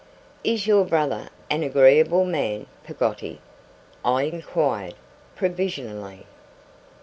'Is your brother an agreeable man, Peggotty?' I inquired, provisionally.